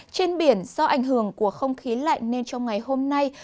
trên biển do ảnh hưởng của không khí lạnh nên trong ngày hôm nay